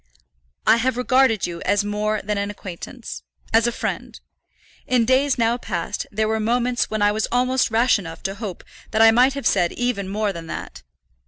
"I have regarded you as more than an acquaintance, as a friend. In days now past there were moments when I was almost rash enough to hope that I might have said even more than that.